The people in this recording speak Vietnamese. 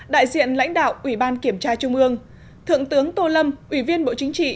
đại diện lãnh đạo ủy ban kiểm tra trung ương thượng tướng tô lâm ủy viên bộ chính trị